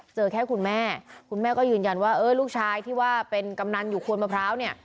เจอแค่คุณแม่คุณแม่ก็ยืนยันว่าเออลูกชายที่ว่าเป็นกำนันอยู่ควนมะพร้าวเนี่ย